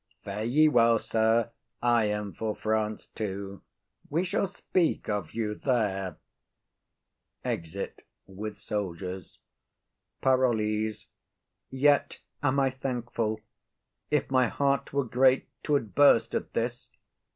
Fare ye well, sir. I am for France too; we shall speak of you there. [Exeunt.] PAROLLES. Yet am I thankful. If my heart were great 'Twould burst at this.